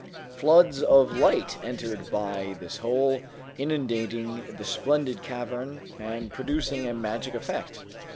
Floods of light entered by this hole, inundating the splendid cavern and producing a magic effect!